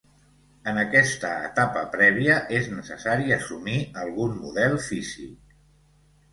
En aquesta etapa prèvia és necessari assumir algun model físic.